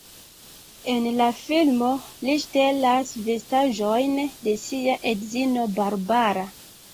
En la filmo li ŝtelas vestaĵojn de sia edzino Barbara.